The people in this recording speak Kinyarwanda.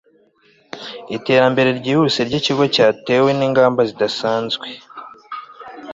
iterambere ryihuse ryikigo ryatewe ningamba zidasanzwe